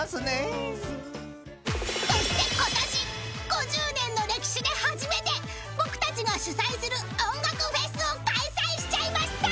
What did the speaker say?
［そしてことし５０年の歴史で初めて僕たちが主催する音楽フェスを開催しちゃいました！］